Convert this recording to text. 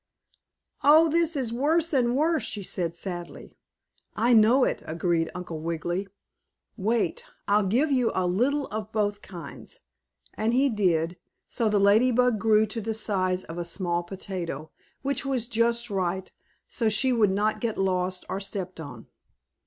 "Oh, this is worse and worse," she said sadly. "I know it!" agreed Uncle Wiggily. "Wait, I'll give you a little of both kinds," and he did, so the Lady Bug grew to the size of a small potato, which was just right, so she would not get lost or stepped on.